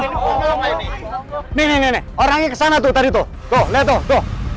ini ini ini orangnya ke sana tadi tuh lihat